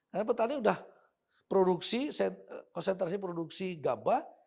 karena petani sudah produksi konsentrasi produksi gabah